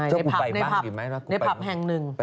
ใช่ในพรับแห่งหนึ่ง